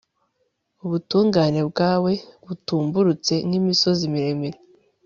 ubutungane bwawe butumburutse nk'imisozi miremire